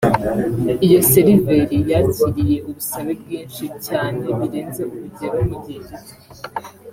Iyo seriveri yakiriye ubusabe bwinshi cyane birenze urugero mu gihe gito